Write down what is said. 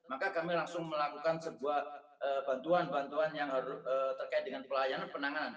maka kami langsung melakukan sebuah bantuan bantuan yang terkait dengan pelayanan penanganan